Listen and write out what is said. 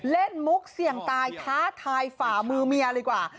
มุกเสี่ยงตายท้าทายฝ่ามือเมียเลยดีกว่า